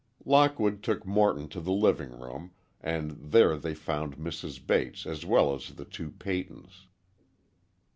Lockwood took Morton to the living room, and there they found Mrs. Bates as well as the two Peytons.